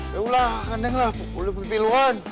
yolah kan neng lah pilih pilih luan